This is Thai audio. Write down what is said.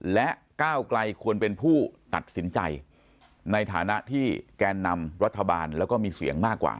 และก้าวไกลควรเป็นผู้ตัดสินใจในฐานะที่แกนนำรัฐบาลแล้วก็มีเสียงมากกว่า